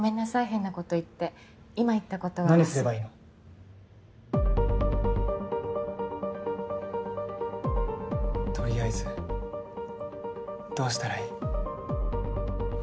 変なこと言って今言ったことは忘れ何すればとりあえずどうしたらいい？